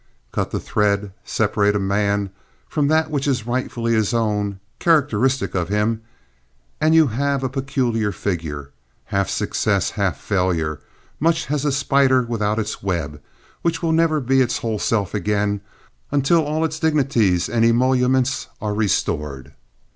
Cut the thread, separate a man from that which is rightfully his own, characteristic of him, and you have a peculiar figure, half success, half failure, much as a spider without its web, which will never be its whole self again until all its dignities and emoluments are restored.